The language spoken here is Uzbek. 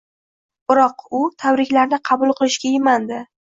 biroq u tabriklarni qabul qilishga iymandi.